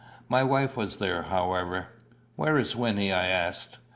My wife was there, however. "Where is Wynnie?" I asked.